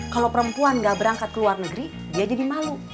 kalau perempuan gak berangkat ke luar negeri dia jadi malu